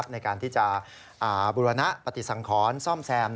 ในการที่จะบุรณปฏิสังขรซ่อมแซม